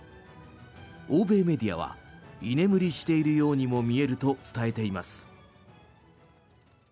欧米メディアは居眠りしているようにも見えると伝えています。